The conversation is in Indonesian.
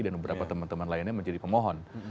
dan beberapa teman teman lainnya menjadi pemohon